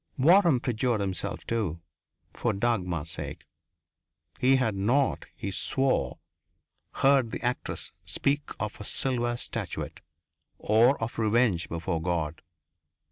Waram perjured himself, too for Dagmar's sake. He had not, he swore, heard the actress speak of a silver statuette, or of revenge before God....